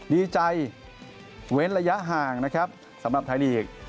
ดีใจเว้นระยะห่างนะครับสำหรับไทยลีก